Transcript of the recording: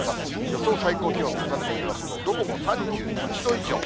予想最高気温、重ねてみますと、どこも３１度以上。